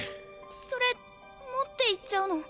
それ持っていっちゃうの？